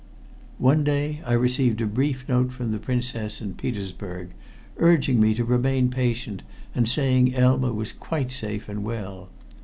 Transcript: One day I received a brief note from the Princess in Petersburg, urging me to remain patient and saying Elma was quite safe and well.